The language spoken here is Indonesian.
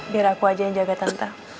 biar aku aja yang jaga tentang